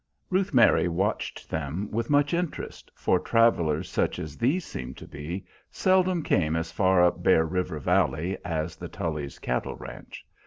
Ruth Mary watched them with much interest, for travelers such as these seemed to be seldom came as far up Bear River valley as the Tullys' cattle range.